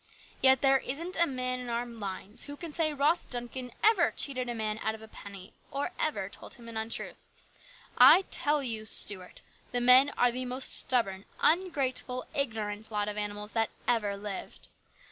Yet there isn't a man in our mines who can say Ross Duncan ever cheated a man out of a penny or ever told him an untruth. I tell you, Stuart, the men are 26 HIS BROTHER'S KEEPER. the most stubborn, ungrateful, ignorant lot of animals that ever lived.